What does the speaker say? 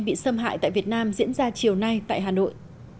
bị xâm hại tại việt nam diễn ra chiều nay tại hà nội